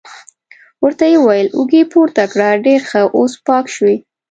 ورته یې وویل: اوږې پورته کړه، ډېر ښه، اوس پاک شوې.